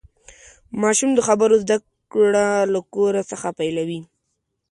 ماشوم د خبرو زدهکړه له کور څخه پیلوي.